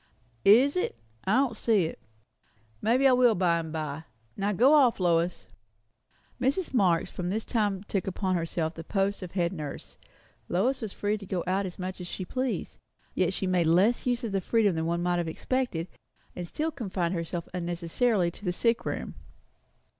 "Is it? I don't see it. Maybe I will by and by. Now go off, Lois." Mrs. Marx from this time took upon herself the post of head nurse. Lois was free to go out as much as she pleased. Yet she made less use of this freedom than might have been expected, and still confined herself unnecessarily to the sick room.